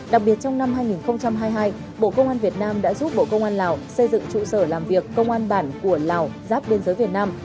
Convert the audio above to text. đặc biệt trong năm hai nghìn hai mươi hai bộ công an việt nam đã giúp bộ công an lào xây dựng trụ sở làm việc công an bản của lào giáp biên giới việt nam